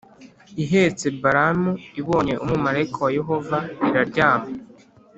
ihetse Balamu ibonye umumarayika wa Yehova iraryama